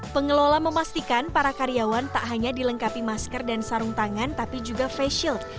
pengelola memastikan para karyawan tak hanya dilengkapi masker dan sarung tangan tapi juga face shield